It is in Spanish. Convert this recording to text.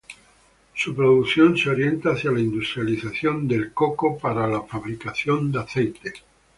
Su producción se orienta hacia la industrialización del coco para la fabricación de aceite.